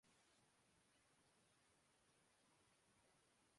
اسے جیو سے کم ریٹننگ کی وجہ سے نکالا گیا، عمران خان کی وجہ سے نہیں